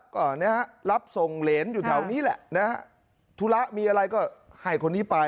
ก็นะฮะรับส่งเหรนอยู่แถวนี้แหละนะฮะธุระมีอะไรก็ให้คนนี้ไป